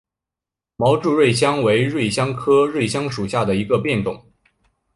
毛柱瑞香为瑞香科瑞香属下的一个变种。